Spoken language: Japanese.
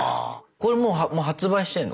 これもう発売してんの？